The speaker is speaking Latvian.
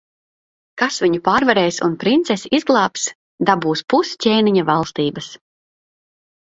Kas viņu pārvarēs un princesi izglābs, dabūs pus ķēniņa valstības.